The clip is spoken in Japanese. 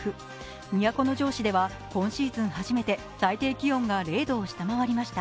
都城市では今シーズン初めて最低気温が０度を下回りました。